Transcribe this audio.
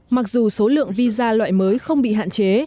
mặc dù số lượng visa loại mới không bị hạn chế